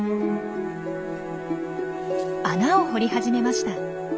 穴を掘り始めました。